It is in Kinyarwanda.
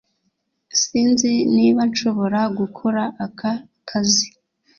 Sinzi niba nshobora gukora aka kazi